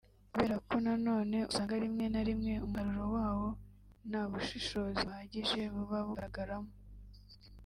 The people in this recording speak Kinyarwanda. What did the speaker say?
kubera ko na none usanga rimwe na rimwe umusaruro wawo nta bushishozi buhagije buba bugaragaramo